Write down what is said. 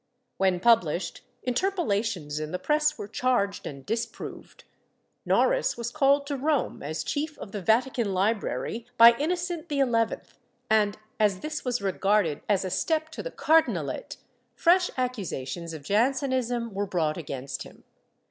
When published, interpolations in the press were charged and disproved. Noris was called to Rome as chief of the Vatican Library by Innocent XI and, as this was regarded as a step to the cardinalate, fresh accusations of Jansenism were brought against him.